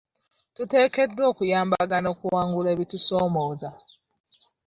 Tuteekeddwa okuyambagana okuwangula ebitusomooza .